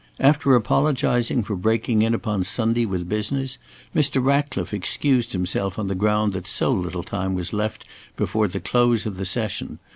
After apologising for breaking in upon Sunday with business, Mr. Ratcliffe excused himself on the ground that so little time was left before the close of the session.